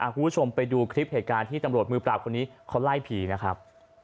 คุณผู้ชมไปดูคลิปเหตุการณ์ที่ตำรวจมือปราบคนนี้เขาไล่ผีนะครับ